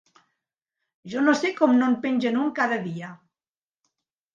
Jo no sé com no en pengen un cada dia...